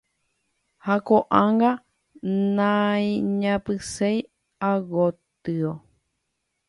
ha ko'ág̃a naiñapysẽi ágotyo.